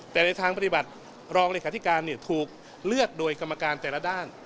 แต่ในทางปฏิบัติรองเลขาธิการถูกเลือกโดยกรรมการแต่ละด้าน